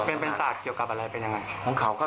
เป็นศาสตร์เกี่ยวกับอะไรเป็นยังไง